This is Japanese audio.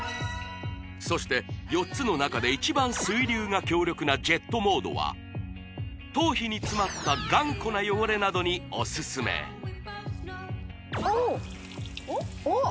そして４つの中で一番水流が強力なジェットモードは頭皮につまった頑固な汚れなどにオススメおおっ